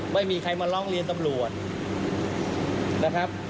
ไม่มีใครมาร้องเรียนตำรวจนะครับ